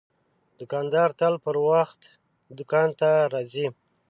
دوکاندار تل پر وخت دوکان ته راځي.